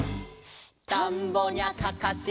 「たんぼにゃかかし」